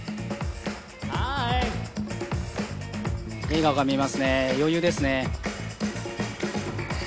笑顔が見えますね、余裕ですね。